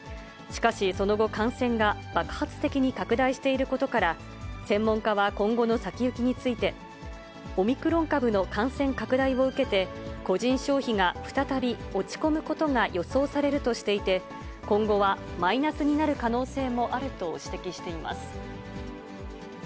しかしその後、感染が爆発的に拡大していることから、専門家は今後の先行きについて、オミクロン株の感染拡大を受けて、個人消費が再び落ち込むことが予想されるとしていて、今後はマイナスになる可能性もあると指摘しています。